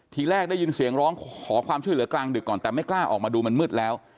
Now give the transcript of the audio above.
ทีแรกได้ยินเสียงร้องขอความช่วยเหลือกลางดึกก่อนแต่ไม่กล้าออกมาดูมันมืดแล้ว